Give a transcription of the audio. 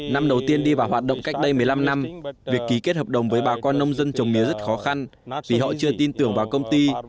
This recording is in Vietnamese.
năm đầu tiên đi vào hoạt động cách đây một mươi năm năm việc ký kết hợp đồng với bà con nông dân trồng mía rất khó khăn vì họ chưa tin tưởng vào công ty